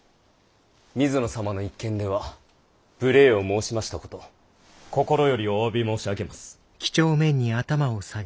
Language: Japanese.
水野様の一件では無礼を申しましたこと心よりお詫び申し上げます。